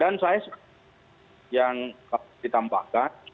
dan saya yang ditambahkan